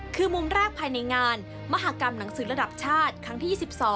คือมุมแรกภายในงานมหากรรมหนังสือระดับชาติครั้งที่๒๒